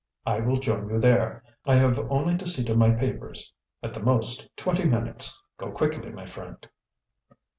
I will join you there; I have only to see to my papers at the most, twenty minutes. Go quickly, my friend!"